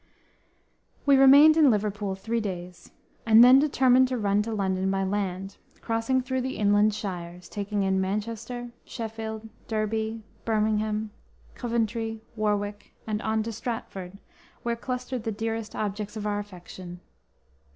"_ We remained in Liverpool three days, and then determined to return to London by land, crossing through the inland shires, taking in Manchester, Sheffield, Derby, Birmingham, Coventry, Warwick, and on to Stratford, where clustered the dearest objects of our affection.